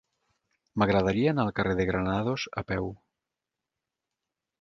M'agradaria anar al carrer de Granados a peu.